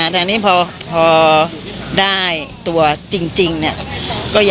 แต่อันนี้พอได้ตัวจริงเนี่ย